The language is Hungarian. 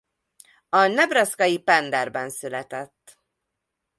A nebraskai Pender-ben született.